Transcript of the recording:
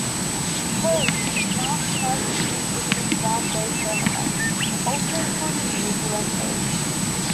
The tourists now start a three-team one-day tournament, also including New Zealand A.